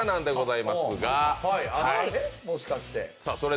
もしかして？